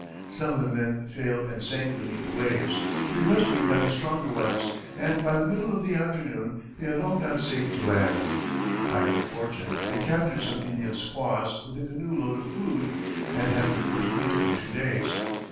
Some of the men failed and sank beneath the waves, to be rescued by the stronger ones, and by the middle of the afternoon they had all got safe to land. By good fortune, they captured some Indian squaws with a canoe load of food, and had their first meal in two days.